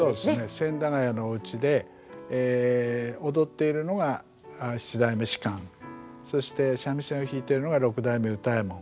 千駄ヶ谷のおうちで踊っているのが七代目芝そして三味線を弾いているのが六代目歌右衛門。